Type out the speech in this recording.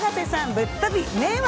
ぶっ飛び迷惑